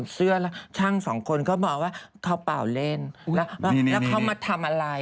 เสื้อแล้วช่างสองคนเขาบอกว่าเขาเปล่าเล่นแล้วเขามาทำอะไร